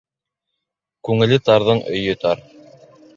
Күңеле тарҙың өйө тар.